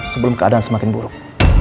sebelum keadaan semakin buruk